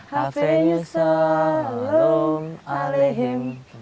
hafen yusalam alehim